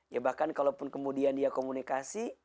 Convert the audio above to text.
ya bahkan kalaupun kemudian dia komunikasi